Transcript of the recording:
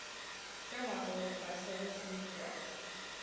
Their motto was By Service We Progress.